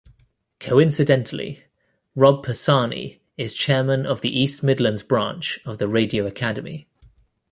Coincidentally, Rob Persani is Chairman of the East Midlands branch of the Radio Academy.